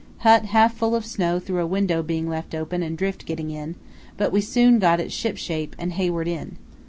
Hut half full of snow through a window being left open and drift getting in; but we soon got it shipshape and Hayward in.